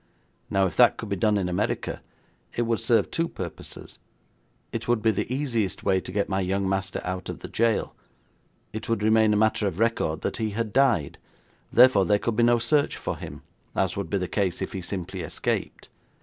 Now, if that could be done in America, it would serve two purposes. It would be the easiest way to get my young master out of the jail. It would remain a matter of record that he had died, therefore there could be no search for him, as would be the case if he simply escaped.